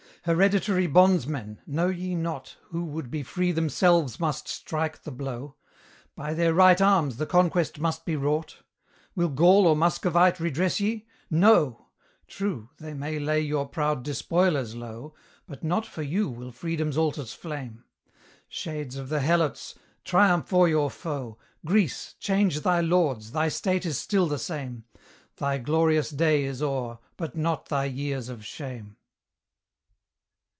Hereditary bondsmen! know ye not Who would be free themselves must strike the blow? By their right arms the conquest must be wrought? Will Gaul or Muscovite redress ye? No! True, they may lay your proud despoilers low, But not for you will Freedom's altars flame. Shades of the Helots! triumph o'er your foe: Greece! change thy lords, thy state is still the same; Thy glorious day is o'er, but not thy years of shame.